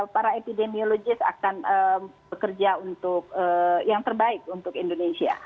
para epidemiologis akan bekerja untuk yang terbaik untuk indonesia